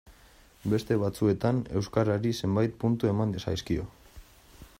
Beste batzuetan euskarari zenbait puntu eman zaizkio.